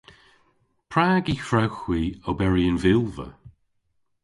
Prag y hwrewgh hwi oberi y'n vilva?